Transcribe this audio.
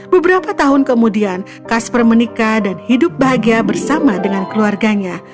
beberapa tahun kemudian kasper menikah dan hidup bahagia bersama dengan keluarganya